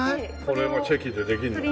これもチェキでできるんだ。